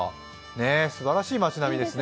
すばらしい町並みですね。